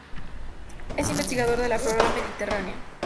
Es investigador de la flora mediterránea.